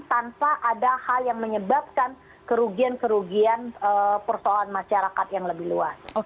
tanpa ada hal yang menyebabkan kerugian kerugian persoalan masyarakat yang lebih luas